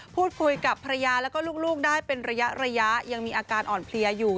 พูดคุยกับภรรยาแล้วก็ลูกได้เป็นระยะยังมีอาการอ่อนเพลียอยู่